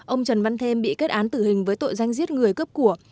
ông trần văn thêm bị kết án tử hình với tội danh giết người cướp của